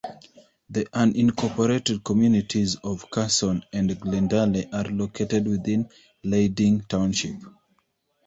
The unincorporated communities of Cusson and Glendale are located within Leiding Township.